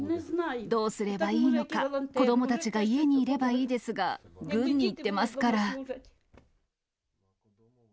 どうすればいいのか、子どもたちが家にいればいいですが、軍に行ってますから。